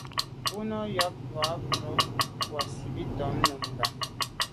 Bú nâ' yɑ́p tà' mbrò wàsìbìtǎ Nùnga.